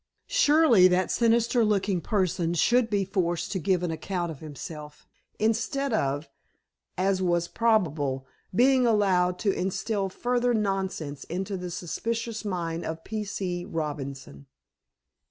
Surely that sinister looking person should be forced to give an account of himself instead of, as was probable, being allowed to instill further nonsense into the suspicious mind of P. C. Robinson.